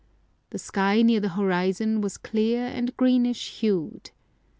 The sky near the horizon was clear and greenish hued.